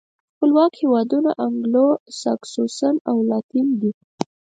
خپلواک هېوادونه انګلو ساکسوسن او لاتین دي.